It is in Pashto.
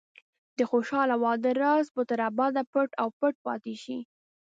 د خوشحاله واده راز به تر ابده پټ او پټ پاتې شي.